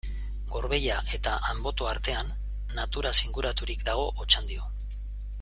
Gorbeia eta Anboto artean, naturaz inguraturik dago Otxandio.